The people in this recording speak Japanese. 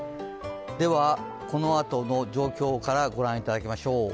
では、このあとの状況からご覧いただきましょう。